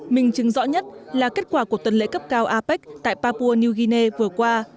mình chứng rõ nhất là kết quả của tuần lễ cấp cao apec tại papua new guinea vừa qua